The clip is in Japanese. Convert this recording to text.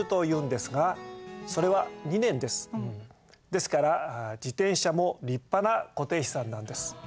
ですから自転車も立派な固定資産なんです。